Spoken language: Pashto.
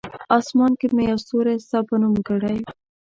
آسمان کې مې یو ستوری ستا په نوم کړی!